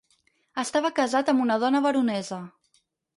Estava casat amb una dona veronesa.